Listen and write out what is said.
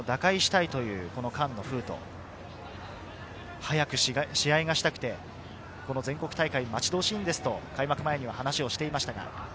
早く試合がしたくて全国大会が待ち遠しいと開幕前に話をしていました。